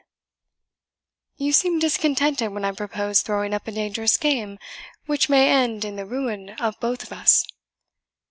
"Yet you seem discontented when I propose throwing up a dangerous game, which may end in the ruin of both of us."